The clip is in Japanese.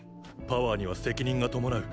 パワーには責任が伴う。